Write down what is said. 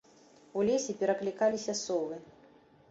У лесе пераклікаліся совы.